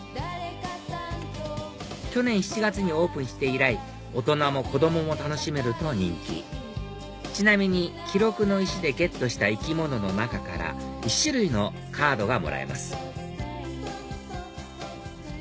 去年７月にオープンして以来大人も子供も楽しめると人気ちなみに記録の石でゲットした生き物の中から１種類のカードがもらえます